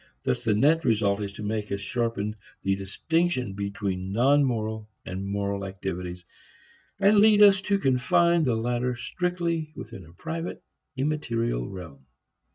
Thus the net result is to make us sharpen the distinction between non moral and moral activities, and to lead us to confine the latter strictly within a private, immaterial realm.